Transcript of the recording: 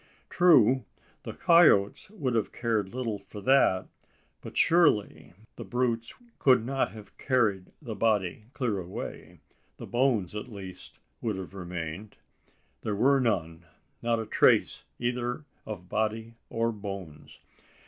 True, the coyotes would have cared little for that; but surely the brutes could not have carried the body clear away? The bones, at least, would have remained? There were none not a trace either of body or bones!